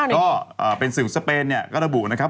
ก็เป็นสื่อของสเปนเนี่ยก็ระบุนะครับ